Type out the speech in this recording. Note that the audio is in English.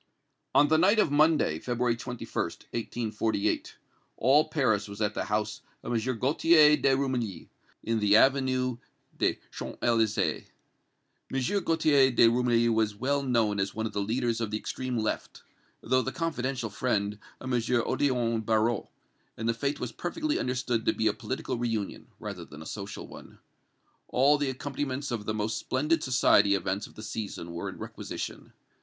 On the night of Monday, February 21st, 1848, all Paris was at the house of M. Gaultier de Rumilly, in the Avenue des Champs Elysées. M. Gaultier de Rumilly was well known as one of the leaders of the extreme left, though the confidential friend of M. Odillon Barrot, and the fête was perfectly understood to be a political reunion, rather than a social one. All the accompaniments of the most splendid society events of the season were in requisition.